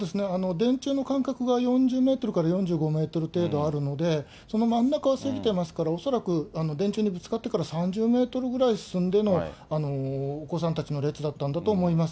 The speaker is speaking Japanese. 電柱の間隔が４０メートルから４５メートル程度あるので、その真ん中は過ぎてますから、恐らく電柱にぶつかってから３０メートルくらい進んでの、お子さんたちの列だったんだと思います。